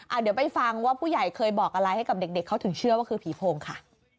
เดี๋ยวไปฟังว่าผู้ใหญ่เคยบอกอะไรให้กับเด็กเขาถึงเชื่อว่าคือผีโพงค่ะ